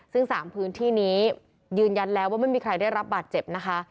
ซึ่ง๓พื้นที่นี้ยืนยันแล้วว่าไม่มีใครได้รับบาดเจ็บนะคะ